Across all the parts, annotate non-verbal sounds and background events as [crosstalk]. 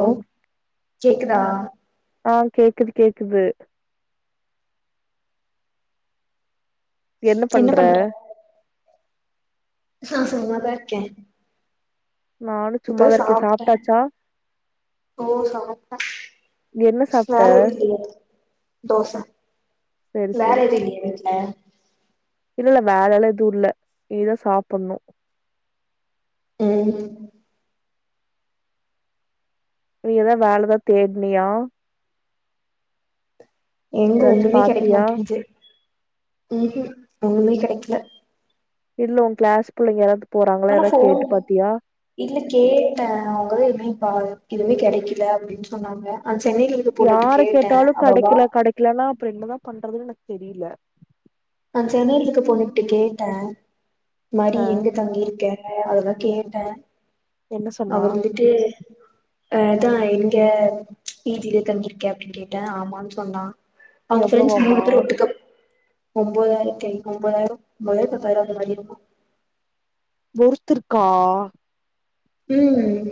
Hello ஓ கேக்குதா? ஆ கேக்குது கேக்குது என்ன பண்ற? சு சும்மாதா இருக்கே. நானு இப்பதா சும்மாதா இருக்கே சாப்ட்டே சாப்டாச்சா? ஓ சாப்ட்டே நீ என்ன சாப்ட்ட? வேல எது இல்லையா தோச சரி வேல சரி இல்லயாடீ வீட்ல? இல்ல இல்ல வேலலெம் எதும்ல்ல இனிதான் சாப்புடணும் உம் நீயெதா வேலதான் தேட்னியா எங்க எதாச்சு ஒண்ணுமே கெடைக்க பாத்தியா மாட்டேங்குது உஹம்ம் ஒண்ணுமே கிடைக்கல இல்ல உ கிளாஸ் பிள்ளைங்க யாராவது போறாங்களா ஆனா யாராது போன் கேட்டு பாத்தியா இல்ல கேட்டேன் அவுங்க தா எதுவுமே இன் இதுமே கிடைக்கல அப்படின்னு சொன்னாங்க அந்த சென்னையில இருக்க பொண்ணுட்ட யாரு கேட்டே கேட்டாலும் அவ வா கடைக்கல கடைக்கலணா அப்றோ என்னதா பண் றது எனக்கு தெரியில [unintelligible] நான் சென்னைலக்கு பொண்ணு கிட்ட கேட்டேன் மாி ஆ எங்க தங்கிருக்க அததா கே ஆ [unintelligible] என்ன சொன்னா அவருலிட்டு அஹ் தா இங்க பீஜுயில தங்கிருக்கேயா அப்டின்னு கேட்டேன் ஆமான் சொன்னா அவுங்க ப்ரென்ஸ் மூணு எவ்வளவாமா பேர் ஒட்டுக்க ஒம்போதாயிரத்து ஐநூறு ரூபா [unintelligible] வெறுத்துருக்கா உம்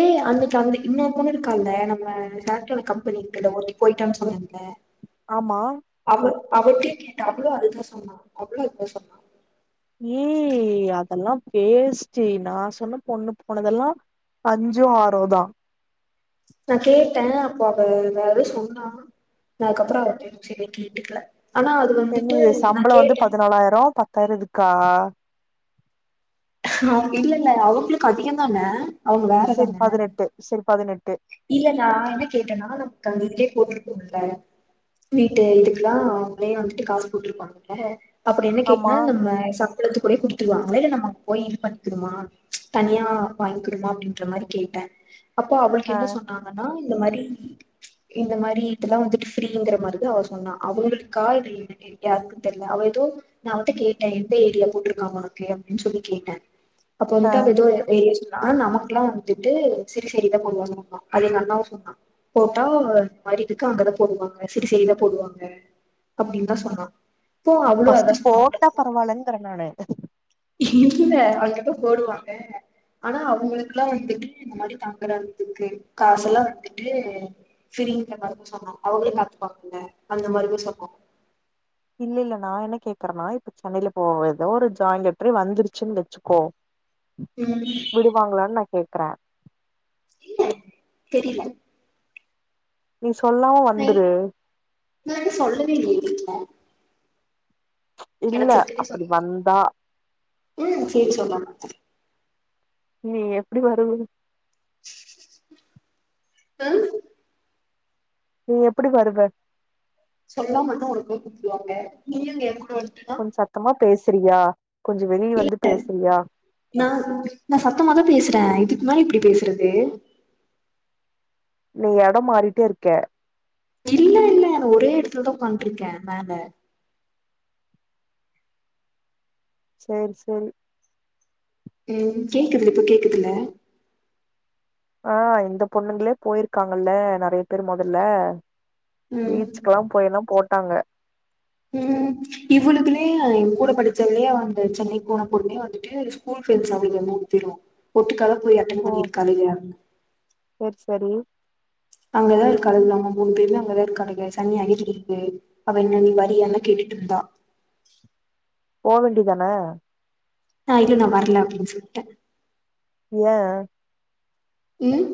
ஏய் அந்த இந்த இன்னும் பொண்ணு இருக்கா இல்ல நம்ம சாப்ட்வேர் கம்பெனிக்கு போயிட்டான்னு சொன்னேன்ல ஆமா அவிட்டே கேட்டா அவ்ளோ அதுதான் சொன்னா - அவ்ளோ அதுதான் சொன்னா ஏய் அதெல்லாம் பேஸ்டு நா சொன்ன பொண்ணு போனதெல்லா அஞ்சோ ஆறோ தான் நா கேட்டேன் ண அப்போ அவ வேரெதோ சொன்னா நா அதுக்கப்பறம் அவகிட்ட எது செரிய கேட்டுக்கல ஆனா அது வந்துட்டு என்னது நா சம்பளம் வந்து கேட்டே பதினாலாயிரம் பத்தாயிரம் இதுக்கா ஆஹ் இல்ல-இல்ல அவங்களுக்கு அதிக தாங்க செரி பதினெட்டு-செரி பதினெட்டு இல்ல நா என்ன கேட்டனா ந போட்டிருக்கோம்ல வீட்டு இதுக்கெல்லா அவங்களே வந்துட்டு காசு போட்டிருக்காங்கல்ல அப்டின்னு ஆமா கேட்னா [unintelligible] குலத்துகுள்ளே கூட்டிட்டுவ மலைல நம்ப போய் இது பண்ணிக்கணுமா தனியா வாங்கிக்கொடுமா அப்டின்ற மாரி கேட்ட அப்போ அவ ஆ என்ன சொன்னாங்கனா இந்த மாரி இந்த மாரி இதுலாம் வந்துட்டு ஃப்ரீங்கிற மாரிதான் அவ சொன்னா அவுங்ளுக்கா [unintelligible] யாருக்குன்னு தெர்ல அவ ஏதோ நா அவுள்ட கேட்டே எந்த ஏரியா போட்ருக்காங்க உனக்கு அப்டினு சொல்லி கேட்டேன் அப்ப ஆ எதோதா விது [unintelligible] ஆனா நமக்குலாம் வந்துட்டு செரி செரிதான் பண்ணுவா அதே நல்லா சொன்னா போட்டா இந்த மாரி இதுக்கு அங்கதா போடுவாங்க சிறு செய்தில போடுவாங்க அப்டின்னு தா சொன்னா அப்போ அவளு அதா ஃபஸ்ட் சொன்னா அவங்களுக்கு போட்டா பரவல்லங்கர நானு இன்னிக்கில்ல [unintelligible] போடுவாங்க ஆனா அவங்களுக்கெல்லா வந்துட்டு இந்த மாரி தாங்கறதுக்கு காசு எல்லா வந்துட்டு பிரிங்க மாரி சொன்னா அவுங்ளே பாத்துபாங்க இல்ல அந்த மாரி சொன்னோ இல்ல-இல்ல நா என்ன கேக்குறனா இப்ப சென்னையில போற எதோ ஒரு ஜாயின் லட்டர் வந்துருச்சுன் வெச்சுக்கோ ம் விடுவாங்களா நா கேட் க்ரா [unintelligible] என்ன தெரில நீ சொல்லாம நா வந்துரு நா இன்னு சொல்லவே இல்லையே வீட்ல இல்ல அப்படி வந்தா உம் சேரி [unintelligible] நீ எப்டி வருவ ம் நீ எப்படி வருவ சொல்லாம இருந்தா உன்ன கோதுவுட்ருவாங்க நீயு [unintelligible] கொஞ்சம் சத்தமா பேசுறியா கொஞ்ச வெளிய இல்ல வந்து பேசுறியா நா-நா சத்தமா தான் பேசுறன் இதுக்கு மேல எப்டி எப்டி பேசுறது நீ எடம் மாறிட்டே இருக்க இல்லல்ல ஒரே எடத்துலதான் உக்காண்ட்ருகேன் மேல செரி-செரி உம் கேக்குது இப்போ கேக்குதுல ஆஹ் இந்த பொண்ணுங்ளே போயிர்காங்கல நெறய பேரு மொதல்ல ம் பீச்குலாம் போய்லாம் போ தாங்க உஹம் இவ்ளுக்குனே என் கூட படிச்சாலியா அந்த சென்னை போன பொண்ணு வந்துட்டு ஸ்கூல் ஃப்ரெண்ட்ஸ் அவளுக மூணு பேரு ஒட்டுகாதா போயி அட்டண் ஓ பன்னிருக்கா [unintelligible] சேரி சேரி அங்கதா இருக்காலுங்க அவுங்க மூணு பேருமே அங்கதா இருக்காலுங்க சனிய [unintelligible] இருக்கு அவ என்ன நீ வரியான கேட்டுட்டு இருந்தா போவேண்டியது தான ஆஹ் இது நான் வரல அப்படின்னு சொல்லிட்டேன் ஏன் ம்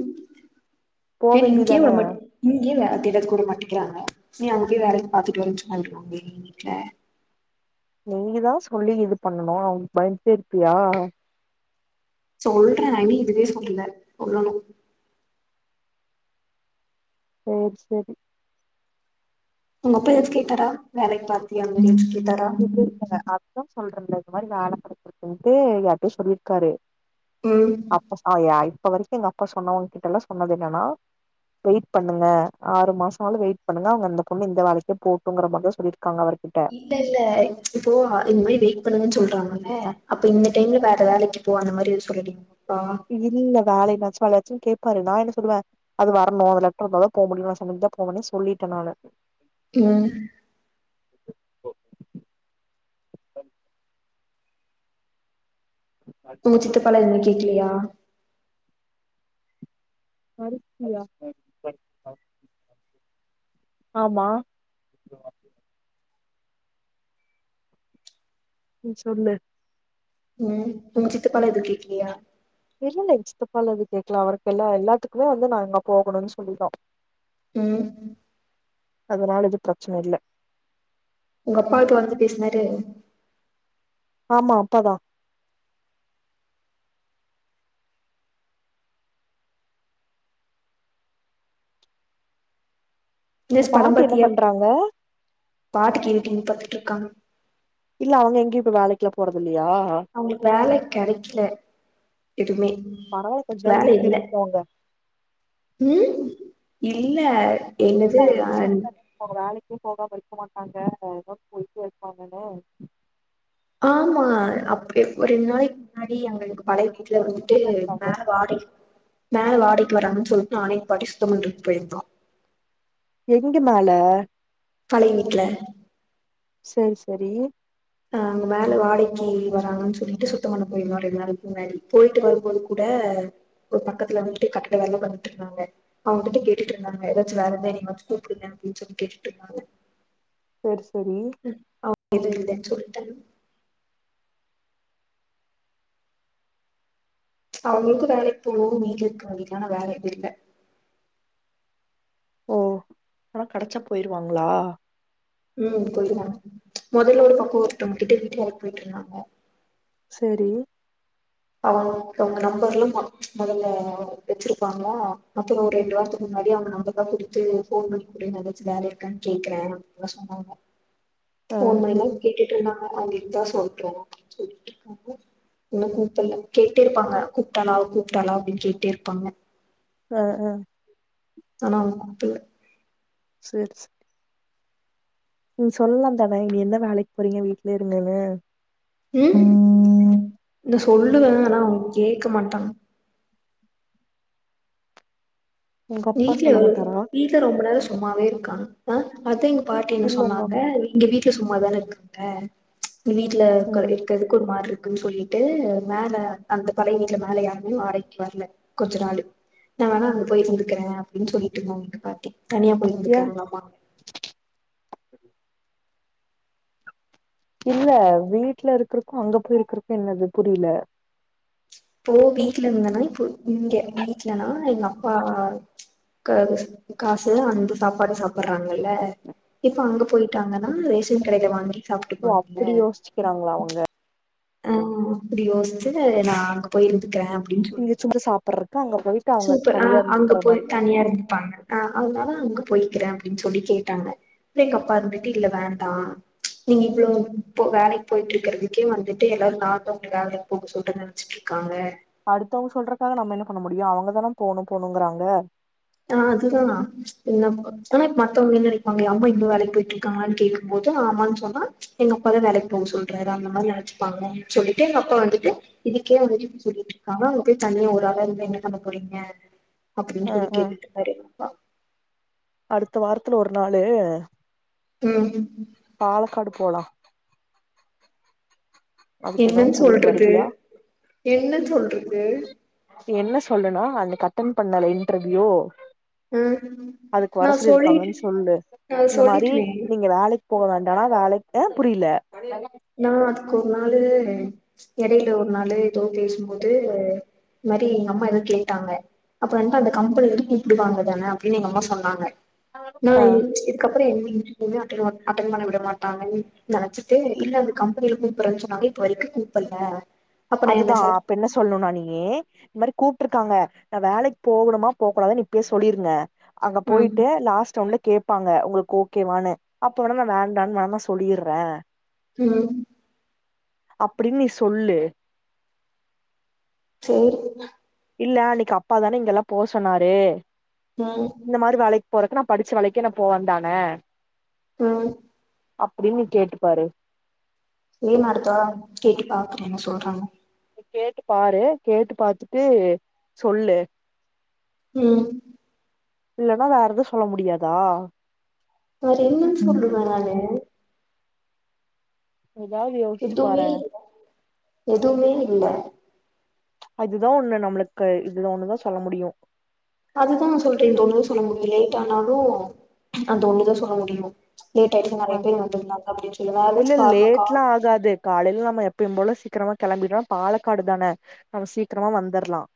போ ஏன் இங்கே வேண்டிதான விடமாட்ட இங்கே வே பேர கூட மாட்டிக்கிறாங்க நீ அங்கயே வேலயும் பாத்துட்டு வரனு சொன்ன விடுவாங்களா வீட்ல நீங்க தான் சொல்லி இது பண்ணணும் அவுங்க பயந்துட்டே இருப்பியா சொல்றேன் இன்னி இதுவே சொல்லல சொல்லனும் செரி செரி உங்கப்ப எதாச்சும் கேட்டாரா வேலை உம் இ அதுதான் சொல்றேன்ல [unintelligible] இது மாதிரி நான் அனுப்புற இருக்கன்ட்டு யாரிட்டயோ சொல்லிருக்காரு ம் அப்ப [unintelligible] இப்ப வரைக்கும் எங்க அப்பா சொன்னவங்க கிட்ட எல்லாம் சொன்னது என்னன்னா வெயிட் பண்ணுங்க ஆறு மாசம் ஆவது வெயிட் பண்ணுங்க அவுங்க இந்த பொண்ணு இந்த வேலைக்கே போட்டும்கிற மாதிரி தா சொல்லிருக்காங்க இல்லல்ல இப்போ இந் மாரி வெயிட் பண்ணுங்கன்னு சொல்றாங்க அ அப்ப இந்த டைம்ல வேற வேலக்கு போக அ மாதிரிது சொல்லிடிங்க இதிதின்ங் வேலல்ல சொல்ல கேப்பாரு நா என்ன சொல்லுவே அது வரணு அந்த லெட்டர் இருந்தா தா போ முடியு நா சமச்சுதா போவேன்னு சொல்லிட்டே நானு [unintelligible] [inaudible] உங்க சித்தப்பாலா எதுமே கேக்கலியா [inaudible] ஆமா ம் சொல்லு ம் உங்க சித்தப்பாலா எது கேக்குலியா இல்லல்ல எங்க சித்தப்பாலா ஏது கேக்கல அவருக்கு எல்லா எல்லாத்துக்குமே வந்து நா அங்க போகணுன் சொல்லிட்டோ ம் அதனால இது ப்ரச்சன இல்ல உங்க அப்பாட்ட வந்து பேசினரு ஆமா அப்பாதா உங்க பில்ஸ் பாட்டி என்ன படம்பத்தியா பண்றாங்க பாட்டு கெட்டின் பத்துட்ருக்காங்க இல்ல அவங்க எங்கயு இப்ப வேலக்குல போறதில்ல அவுங்களுக் வேல கெடக்கல எதுமே பரவால்ல கொஞ்ச நாள் வேல வீட்ல இல்ல இருக்கட்டுங்க ம் இ இல்ல இல்ல என்னது அவங்கிட்ட சொன்னே போ வேலக்கு போகாம இரு டுக்க மாட்டாங்க ஆஹ போயிட்டே இருபாங்கலே ஆமா அப்டி ஒரு ரெண்டு நாளைக்கு முன்னாடி எங்களுக்கு பழகி வீட்ல வந்துட்டு கேட்டுருக்காங்க மேல வாடை மேல வாடக்கு வரங்கான் சொல்ட்டு நானு எங்க பாட்டியு சுத்தமண்டறதுக்கு போயிருந்தோ எங்க மேல பழைய வீட்ல செர் செரி அ அங்க மேல வாடக்கி வராங்கன்னு சொல்லிட்டு சுத்தமண்ண போயிருந்தோ ரெண்டு நாளுக் முன்னாடி போய்ட்டு வரும்போது கூட ஒரு பக்கத்துல வந்துட்டு கட்டட வேல வந்ட்டு இருந்தாங்க அவங்கிட்ட கேட்டுட்டு இருந்தாங்க ஏதாச்சு வேறந்த நீங்க வச்சு கூப்டுங்க அப்டின் சொல்லி கேட்டுட்டு இருந்தாங்க சேர் செரி இது இல்ல சொல்டெ அவங்களுக்கு வேலக் போனு வீட்ல இருக்கு வேல ஆனா வேற எது இல்ல ஓ ஆனா கிடைச்சா போயிருவாங்களா ம் போய்ருவாங்க முதல்ல ஒரு பக்க ஒருத்தவங்கட்ட வீட்டு வேலக்கு போயிட்டு இருந்தாங்க சரி அவனு அவங்க நம்பர்லா மொதல்ல வச்சிருப்பாங்களா அப்றோ ஒரு ரெண்டு வாரத்துக்கு முன்னாடி அவங்க நம்பர்லா குடுத்து ஃபோன் பண்ணி குடு நா எதாச்சு வேல இருக்கான்னு கேக்குறே அப்ல்லா சொன்னாங்க ஆ ஒன்னொன்னு கேட்டு ட்ருந்தாங்க அவங்கட்ட சொல்றோ அப்டின்னு சொல்லிட்டு இருக்கு இப்ப கேட்டேருப்பாங்க கூப்ட்டானா கூப்ட்டாளா அப்டின்னு கேட்டேருப்பாங்க அ அ ஆனா அவன கூப்பல சேர் சேரி நீங்க சொல்லலாம் தானே நீ என்ன வேலைக்கு போறீங்க வீட்லயே இருங்கன்னு ம் நான் நீங்க எங்க சொல்லுவேன் ஆனா போறீங்க அவுங்க வீ கேட்க மாட்டாரங்க உங்க அப்பா வீட்டு்ல சொல்ல மாட்டாரா வீட்டு்ல ரொம்ப நேரம் சும்மாவே இருக்காங்க ஆஹ அது [unintelligible] பாட்டின்னு இல்ல உங்க சொன்னாங்க அப் எங்க வீட்டுல சும்மாதானே இருக்கா ஆ [unintelligible] வீட்ல ம் இருக்கிறதுக்கு ஒரு மாரி இருக்கு சொல்லிட்டு மேல அந்த பழைய வீட்டுல மேல யாருமே வரல வாடடைக்கு வரல கொஞ்ச நாளு நான் வேநா அங்க போய் இரு இருக்கேன் அப்டின்னு சொல்லிட்டு இருந்தாங்க எங்க பாட்டி தனியா ஏ போயிருந்துக்காங்களாமா இல்ல வீட்ல இருக்கிறக்கும் அங்க போயிருக்குறக்கும் என்னது புரியல இப்போ வீட்ல இருந்தேன்னா இப்போ இங்க வீட்லனா எங்க அப்பா காசு அந்து சாப்பாடு சாப்படுறாங்கல்ல இப்ப அங்க போயிட்டாங்கன்னா ரேஷன் கடையில வாங்கி ஓ சாப்ட்டுப்பாங்கல்ல அப்புடி யோசிச்சுக்கிறாங்களா அவுங்க ஆ அப்டி யோசிச்சு நான் அங்க போய் இருந்துக்கிறேன் அப்டினு சொல்லு இங்க சும்மா சாப்பட்றக்கு அங்க போயிட்டு அவங்க சூப்பர் ஆ தனியா அங்க இருந்துக்கிற போய் மாரியா தனியா இருந்துப்பாங்க ஆ அதனாலா அங்க போய்கிறேன் அப்டின்னு சொல்லி கேளு கூப்டாங்க எங்க அப்பா இருந்துட்டு இல்ல வேண்டா நீங்க இவ்ளோ வேலைக்கு போயிட்டு இருக்கிறதுக்கே வந்துட்டு எல்லாரும் நா தான் உன்ன வேலைக்கு போக சொல்லடன்னு நனச்சட்டுருக்காங்க அடுத்தவங்க சொல்றக்காக நம்ம என்ன பண்ண முடியும் அவுங்கதானே போணும் போணுங்கிறாங்க ஆ அதுதான் என்ன ஆனா மத்தவங்க என்ன நெனப்பாங்க அம்மா இன்னும் வேலைக்கு போயிட்டு இருக்காங்களான்னு கேக்கும்போது ஆமான்னு சொன்னா எங்க அப்பாதான் வேலைக்கு போக சொல்றாரு அந்த மாரி நெனைச்சுப்பாங்க அப்டின்னு சொல்லிட்டு எங்க அப்பா வந்துட்டு இதுக்கே வந்துட்டு இப்டி சொல்லிட்டு இருக்காங்க அங்க போய் தணியா ஒரு ஆளா இருந்து என்ன பண்ண போறீங்க அப்புடின்னு ஆ ஆ சொல்லிருக்கேட் [unintelligible] அடுத்த வாரத்துல ஒரு நாளு ம் பாலக்காடு போலாம் அதுக்கு என்னன்னு ஏதோன்னு சொல்லிட்டு சொல்றது வருவியா என்ன சொல்றது என்ன சொல்லுனா அந்த போன் பண்ணல இன்டர்வியோ ஆ அதுக்கு வர நா சொல்லி சொல்லிட் இருக்காங்கன்னு சொல்லு நா இந்த மாதிரி சொல்லிட்டனே நீங்க வேலைக்கு போகதான்ட ஆனா அழ ஆஹன் புரியல நான் அதுக்கு ஒரு நாளு இடையில ஒரு நாள் ஏதோ பேசும்போது இது மாதிரி எங்க அம்மா எதாவ கேட்டாங்க அப்புறம் வட்டு அந்த கம்பல எத கூப்பிடுவாங்க தானே அப்படின்னு எங்க அம்மா சொன்னாங்க நீ ஆ எழுந்ச்சக்கப்பரோ அப்புறம் என் அட்ட அட்டன் பண்ண விட மாட்டாங்கன்னு நினச்சிட்டு இல்ல அந்த கம்பெனியில கூப்பிடறன்னு சொன்னாங்க இப்ப வரைக்கும் கூப்புல அதுதான் அப்ப என்ன சொல்லணும்னா நீ இந்த மாதிரி கூப்பிட்டுருக்காங்க நான் வேலைக்கு போகணுமா போக கூடாதுன்னு இப்பயே சொல்லிருங்க அங்க ம் போயிட்டு லாஸ்ட் ரவுண்ட்ல கேட்பாங்க உங்களுக்கு ஓகேவானு அப்ப வேண தான் வேண்டான்னு வேண தான் சொல்லிடுறேன் உம் அப்டின்னு நீ சொல்லு சேரி இல்ல அன்னைக்கு அப்பா தானே இங்கெல்லாம் போ சொன்னாரு ம் இந்த மாதிரி வேலைக்கு போறதுக்கு நான் படிச்ச வேளக்கி நா போ வேந்தானே உம் அப்படின்னு கேட்டுப்பாரு ஏறமாட்டுதா கேட்டு பாக்குறேன் என்ன சொல்றாங்க பாரு கேட்டு பார்த்துட்டு சொல்லு உம் இல்லன்னா வேற எதுவும் சொல்ல முடியாதா வேற என்னன்னு ம் சொல்லுவேனு நானு ஏதாவது யோசிச்சு எதுவுமே பாறேன் இல்ல எதுவுமே இல்ல அதுதான் ஒண்ணு நம்மளுக்கு இதுதான் ஒண்ணுதான் சொல்ல முடியும் அதுதான் நான் சொல்றேன் இந்த அதுதான் சொல்ல முடியும் லேட் ஆனாலும் அந்த ஒண்ணுதான் சொல்ல முடியும் ஆஹ் வேற இல்ல ஏதாச்சு காரணோ கா லேட் எல்லாம் ஆகாது காலையில நம்ம எப்பயும் போல சீக்கிரமா கிளம்பிட்டோனா பாலக்காடு தானே நம்ம சீக்கிரமா வந்துரலாம்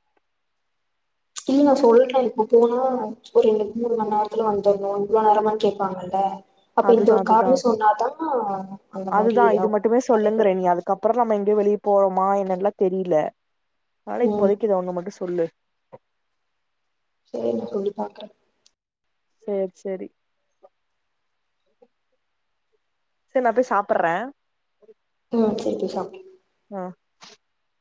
இல்லயில்ல நா சொல்றே இப்ப போனா ஒரு ரெண்டு மூணு மணி நேரத்துல வந்துடணோ இவ்ளோ நேரம்மானு கேட்பாங்கல்ல அதுதான் அதுதான் அந்த மாரி அதுதான் இது ஆகு மட்டுமே நெறைய பேரு சொல்லுங்கறே நீ அதுக்கப்புறம் நம்ம எங்கயோ வெளியே போறோமா என்னென்லா தெரியில ஆனா ம் இப்போதைக்கு இத மட்டும் சொல்லு சரி நான் சொல்லி பாக்குறேன் சேர் சரி சரி நான் போய் சாப்படுறேன் உம் சரிப்ப சாப்பி [inaudible]